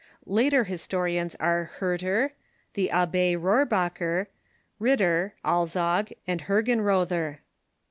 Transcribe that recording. Later historians are Hurter, the Abbe Rohrbacher, Ritter, Alzog, and Hergenrother.